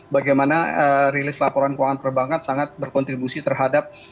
bagaimana rilis laporan keuangan perbankan sangat berkontribusi terhadap